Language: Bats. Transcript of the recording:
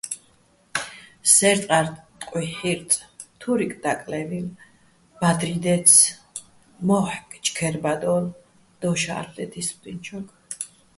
სე́რტარ ტყუჲჰ̦ი̆ ჰ̦ი́რწი̆, თურიკ დაკლე́ვილო̆, ბადრი დაჲცი̆, მო́ჰ̦კ ჩქე́რბადოლო̆, დოშ ა́ლ'ლეთ ის ფსტუჲნჩოგო̆.